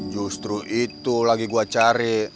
justru itu lagi gue cari